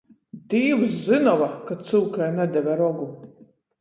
Dīvs zynova, ka cyukai nadeve rogu.